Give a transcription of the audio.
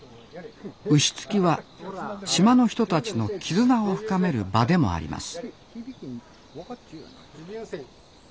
牛突きは島の人たちの絆を深める場でもあります